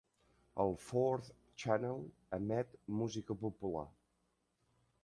El Fourth Channel emet música popular.